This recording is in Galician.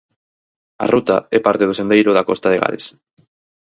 A ruta é parte do sendeiro da costa de Gales.